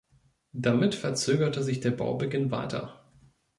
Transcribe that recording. Damit verzögerte sich der Baubeginn weiter.